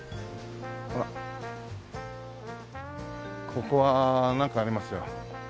ここはなんかありますよ。